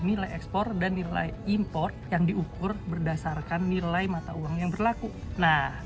nilai ekspor dan nilai import yang diukur berdasarkan nilai mata uang yang berlaku nah